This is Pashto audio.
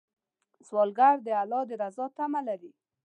سوالګر د الله د رضا تمه لري